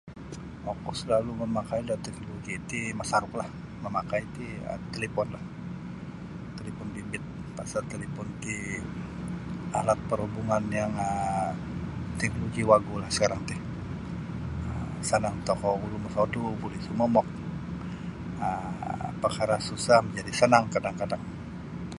Oku selalu mamakai da teknoloji ti masaruklah mamakai ti um taliponlah talipon bimbit pasal talipon ti alat perhubungan yang um teknoloji wagulah sekarang ti um sanang tokou ulun mosodu buli sumomok um pakara susah manjadi sanang kadang-kadang.